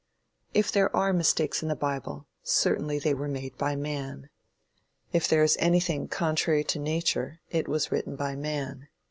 If there are mistakes in the bible, certainly they were made by man. If there is anything contrary to nature, it was written by man.